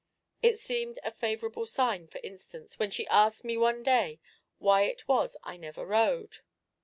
It seemed a favourable sign, for instance, when she asked me one day why it was I never rode.